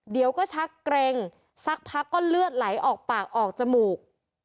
เดี๋ยวก็ชักเกร็งสักพักก็เลือดไหลออกปากออกจมูก